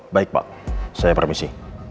baik pak saya permisi